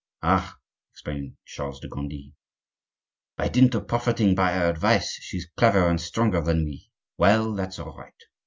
"Ah!" exclaimed Charles de Gondi, "by dint of profiting by our advice she's clever and stronger than we! Well, that's all right."